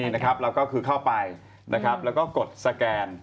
นะครับเราก็คือเข้าไปแล้วก็กดสแกน